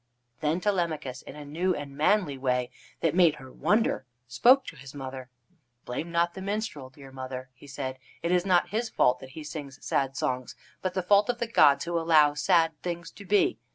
Then Telemachus, in a new and manly way that made her wonder, spoke to his mother: "Blame not the minstrel, dear mother," he said. "It is not his fault that he sings sad songs, but the fault of the gods who allow sad things to be.